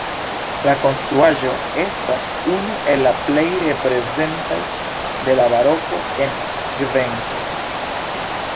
La konstruaĵo estas unu el la plej reprezentaj de la baroko en Kvenko.